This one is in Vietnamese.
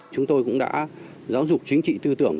chúng tôi cũng đã giáo dục chính trị tư tưởng